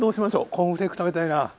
コーンフレーク食べたいな。